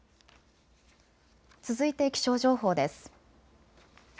続いて気象情報です。